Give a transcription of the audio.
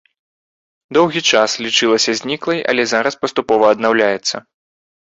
Доўгі час лічылася зніклай, але зараз паступова аднаўляецца.